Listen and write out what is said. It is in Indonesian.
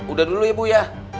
udah dulu ya bu ya